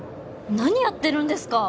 何やってるんですか。